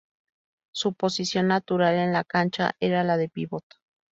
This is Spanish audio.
Su posición natural en la cancha era la de pívot.